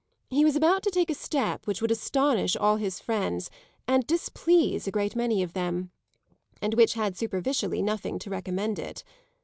He was about to take a step which would astonish all his friends and displease a great many of them, and which had superficially nothing to recommend it.